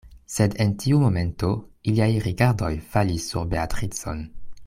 Sed en tiu momento iliaj rigardoj falis sur Beatricon.